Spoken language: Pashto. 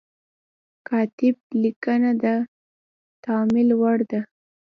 کاتب لیکنه د تأمل وړ ده.